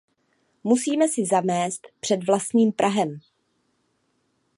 Musíme si zamést před vlastním prahem.